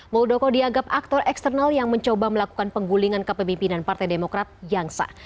muldoko dianggap aktor eksternal yang mencoba melakukan penggulingan kepemimpinan partai demokrat yang sah